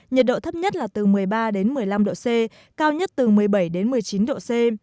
nhiệt độ thấp nhất là từ một mươi ba đến một mươi năm độ c cao nhất từ một mươi bảy đến một mươi chín độ c